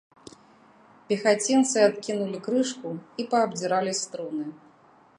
Пехацінцы адкінулі крышку і паабдзіралі струны.